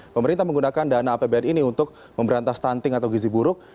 pemerintah menggunakan dana apbn ini untuk memberantas stunting atau gizi buruk